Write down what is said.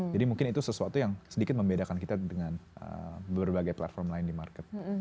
jadi mungkin itu sesuatu yang sedikit membedakan kita dengan berbagai platform lain di market